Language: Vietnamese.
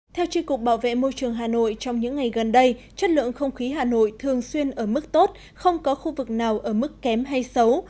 theo tri cục bảo vệ môi trường hà nội trong những ngày gần đây chất lượng không khí hà nội thường xuyên ở mức tốt không có khu vực nào ở mức kém hay xấu